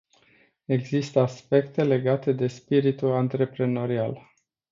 Există aspecte legate de spiritul antreprenorial.